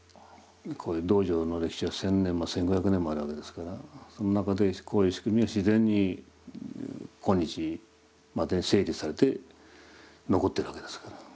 こういう道場の歴史が１，０００年も１，５００年もあるわけですからその中でこういう仕組みが自然に今日までに整理されて残ってるわけですから。